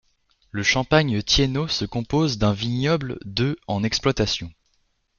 Le champagne Thiénot se compose d’un vignoble de en exploitation.